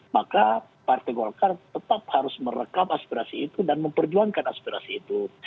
maka partai golkar tetap harus merekam aspirasi itu dan memperjuangkan aspirasi itu